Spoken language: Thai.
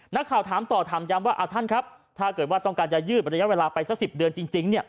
นักข่าวถามต่อถามย้ำว่าท่านครับถ้าเกิดว่าต้องการจะยืดระยะเวลาไปสัก๑๐เดือนจริง